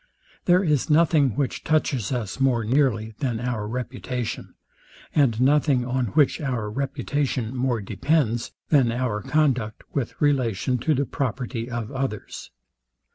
There is nothing, which touches us more nearly than our reputation, and nothing on which our reputation more depends than our conduct, with relation to the property of others.